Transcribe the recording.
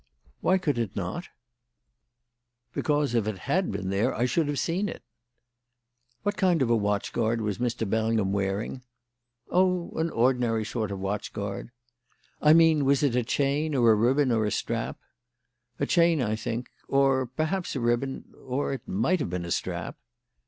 "Why could it not?" "Because if it had been there I should have seen it." "What kind of a watch guard was Mr. Bellingham wearing?" "Oh, an ordinary sort of watch guard." "I mean, was it a chain or a ribbon or a strap?" "A chain, I think or perhaps a ribbon or it might have been a strap."